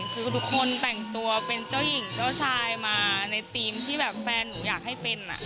คือทุกคนแต่งตัวเป็นเจ้าหญิงเจ้าชายมาในธีมที่แบบแฟนหนูอยากให้เป็น